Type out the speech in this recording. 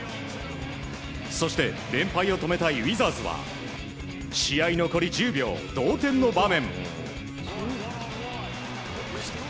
そして、連敗を止めたいウィザーズは試合残り１０秒同点の場面。